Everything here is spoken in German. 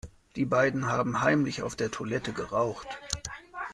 Die beiden haben heimlich auf der Toilette geraucht.